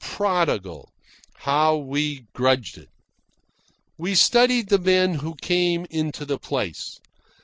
Prodigal! How we grudged it! We studied the men who came into the place.